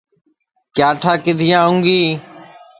کیا ٹھا کِدھی آوں گی